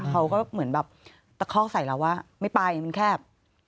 เขาก็เหมือนแบบตะคอกใส่เราว่าไม่ไปมันแคบ